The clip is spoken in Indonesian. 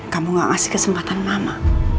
kamu gak kasih kesempatan mama